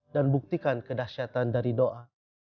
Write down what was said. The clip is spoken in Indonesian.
dan buktikan kedahsyatan dari doa